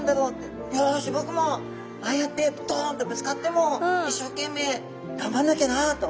ぼくもああやってどんってぶつかっても一生懸命頑張んなきゃなと。